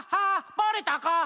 ばれたか！